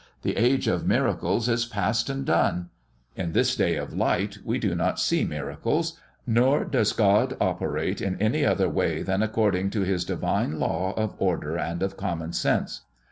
The age of miracles is past and done. In this day of light we do not see miracles, nor does God operate in any other way than according to His divine law of order and of common sense.